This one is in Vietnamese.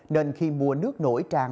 nên khi mùa nước nổi tràn